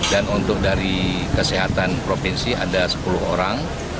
dan untuk dari kesehatan provinsi ada sepuluh orang